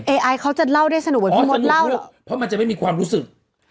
เอไอเขาจะเล่าได้สนุกเพราะมันจะไม่มีความรู้สึกแล้ว